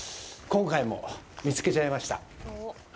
今回も見つけちゃいました。